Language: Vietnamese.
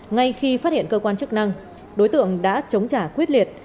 ngay khi phát hiện cơ quan chức năng đối tượng đã chống trả quyết liệt